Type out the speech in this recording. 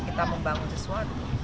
kita membangun sesuatu